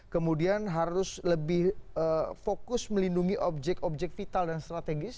kemudian harus lebih fokus melindungi objek objek vital dan strategis